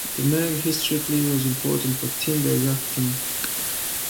The Murg historically was important for timber rafting.